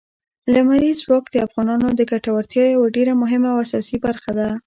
لمریز ځواک د افغانانو د ګټورتیا یوه ډېره مهمه او اساسي برخه ده.